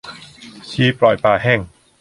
ชีปล่อยปลาแห้ง